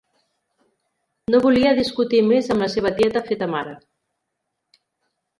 No volia discutir més amb la seva tieta feta mare.